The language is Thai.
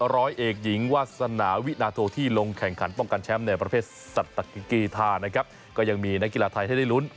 ร้อยเอกหญิงวาสนาวินาโทที่ลงแข่งขันป้องกันแชมป์ในประเภทสัตกีธานะครับก็ยังมีนักกีฬาไทยให้ได้ลุ้น